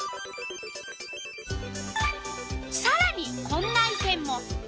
さらにこんな意見も。